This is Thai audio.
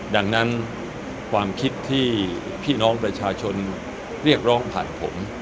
ดังนั้นความคิดที่พี่น้องประชาชนเรียกร้องผ่านผม